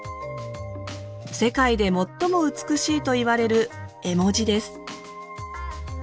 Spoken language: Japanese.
世界で最も美しいといわれる絵文字です。